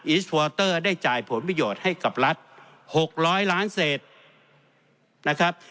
อิสวอเตอร์ได้จ่ายผลประโยชน์ให้กับรัฐ๖๐๐ล้านเศษนะครับ